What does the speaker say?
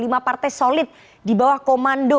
lima partai solid dibawah komando